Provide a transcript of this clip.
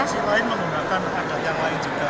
persis lain menggunakan adat yang lain juga